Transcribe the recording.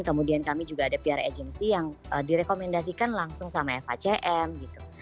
kemudian kami juga ada pr agency yang direkomendasikan langsung sama fhcm gitu